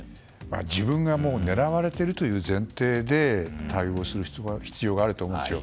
自分が狙われているという前提で対応する必要があると思うんですよ。